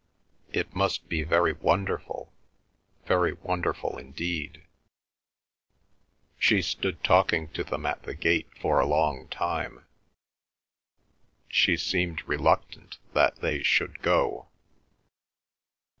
"It must be very wonderful, very wonderful indeed." She stood talking to them at the gate for a long time; she seemed reluctant that they should go.